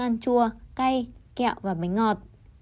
bạn nên ăn chua cay kẹo và bánh ngọt